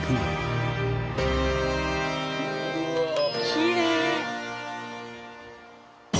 きれい。